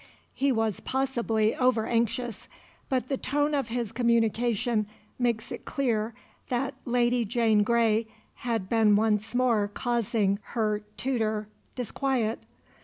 He was possibly over anxious, but the tone of his communication makes it clear that Lady Jane Grey had been once more causing her tutor disquiet.